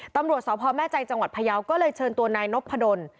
ตำรวจสพแม่ใจจังหวัดพยาวก็เลยเชิญตัวนายนพดล